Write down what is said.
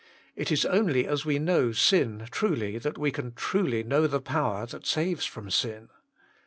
It is only as we know sin truly that we can truly know the power that saves from sin.